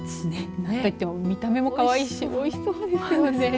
何といっても見た目もかわいいし美味しそうですよね。